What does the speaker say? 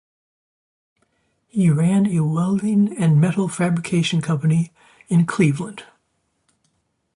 He ran a welding and metal fabrication company in Cleveland.